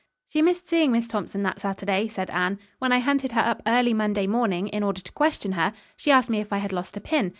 "She missed seeing Miss Thompson that Saturday," said Anne. "When I hunted her up early Monday morning, in order to question her, she asked me if I had lost a pin.